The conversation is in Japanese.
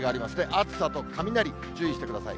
暑さと雷、注意してください。